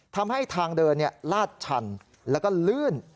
ทำให้ทางเดินลาดชันแล้วก็ลื่น